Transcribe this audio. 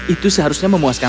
itu seharusnya memuaskan